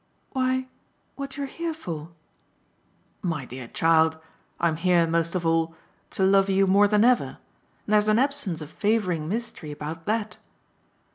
"Why what you're here for?" "My dear child I'm here most of all to love you more than ever; and there's an absence of favouring mystery about THAT